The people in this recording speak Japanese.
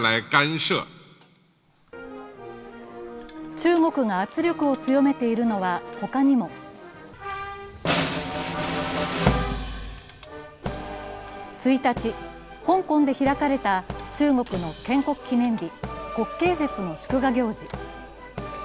中国が圧力を強めているのは他にも１日、香港で開かれた中国の建国記念日、国慶節の祝賀行事。